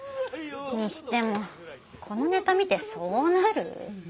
にしてもこのネタ見てそうなる？